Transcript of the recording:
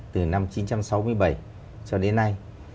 từ năm một nghìn chín trăm sáu mươi bảy cho đến nay